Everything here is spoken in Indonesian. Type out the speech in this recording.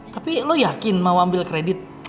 tapi lo yakin mau ambil kredit